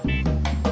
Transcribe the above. payin d sua aja paham